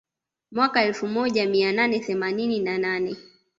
Mwaka elfu moja mia nane themanini na nane